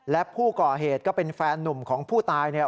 และผู้ก่อเหตุก็เป็นแฟนนุ่มของผู้ตายเนี่ย